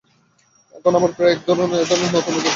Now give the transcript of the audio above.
এখন আবার প্রায় একই ধরনের এবং নতুন নতুন সিদ্ধান্ত নেওয়া হচ্ছে।